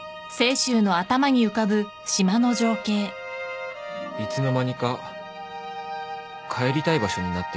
いつの間にか帰りたい場所になっていた